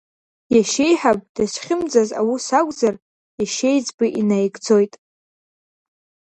Иашьеиҳаб дызхьымӡаз аус акәзар, иашьеиҵбы инаигӡоит.